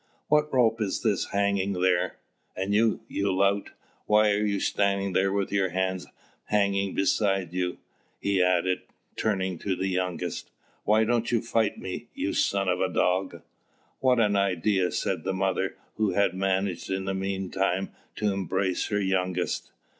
What rope is this hanging there? And you, you lout, why are you standing there with your hands hanging beside you?" he added, turning to the youngest. "Why don't you fight me? you son of a dog!" "What an idea!" said the mother, who had managed in the meantime to embrace her youngest.